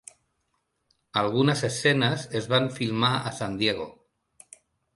Algunes escenes es van filmar a San Diego.